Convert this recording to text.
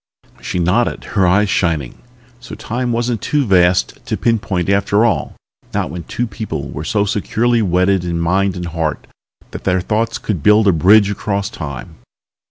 She nodded, her eyes shining. So Time wasn't too vast to pinpoint after all, not when two people were so securely wedded in mind and heart that their thoughts could build a bridge across Time.